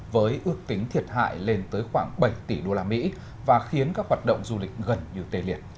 với ước tính thiệt hại lên tới khoảng bảy tỷ usd và khiến các hoạt động du lịch gần như tê liệt